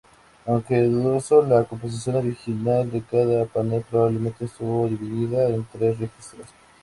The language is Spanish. Aunque dudoso, la composición original de cada panel probablemente estuvo dividida en tres registros.